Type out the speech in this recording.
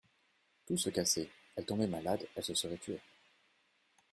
Tout se cassait, elle tombait malade, elle se serait tuée.